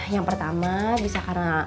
yang pertama bisa karena